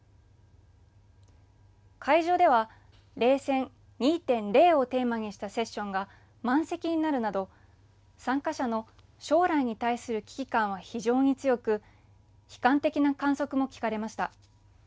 会場では冷戦２．０をテーマにしたセッションが満席になるなど参加者の将来に対する危機感は非常に強く悲観的な観測も聞かれました。